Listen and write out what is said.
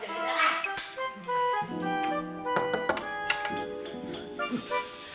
dupet tapi ya pok